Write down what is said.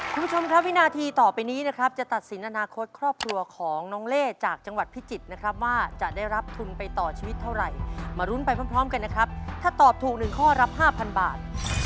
คุณผู้ชมครับวินาทีต่อไปนี้นะครับจะตัดสินอนาคตครอบครัวของน้องเล่จากจังหวัดพิจิตรนะครับว่าจะได้รับทุนไปต่อชีวิตเท่าไหร่มารุ้นไปพร้อมกันนะครับถ้าตอบถูกหนึ่งข้อรับ๕๐๐บาท